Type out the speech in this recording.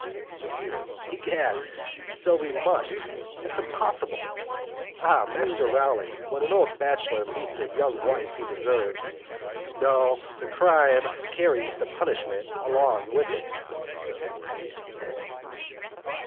SIR PETER. Egad and so we must that's impossible. Ah! Master Rowley when an old Batchelor marries a young wife He deserves no the crime carries the Punishment along with it.